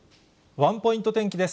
ワンポイント天気です。